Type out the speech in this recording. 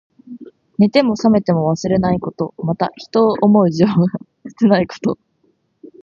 寝ても冷めても忘れないこと。また、人を思う情が切ないこと。